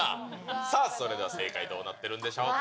さあそれでは正解どうなってるんでしょうか。